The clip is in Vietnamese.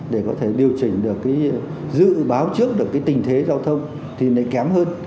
để có thể điều chỉnh được dự báo trước được tình thế giao thông thì nó kém hơn